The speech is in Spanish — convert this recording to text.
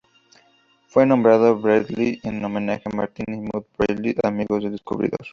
Fue nombrado Bradley en homenaje a Martin y Maud Bradley amigos del descubridor.